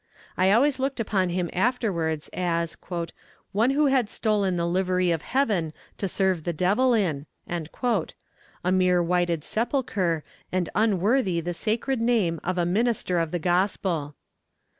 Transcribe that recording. I always looked upon him afterwards, as "one who had stolen the livery of heaven to serve the devil in;" a mere whited sepulchre, and unworthy the sacred name of a minister of the Gospel.